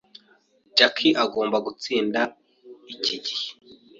Jack agomba gutsinda iki gihe.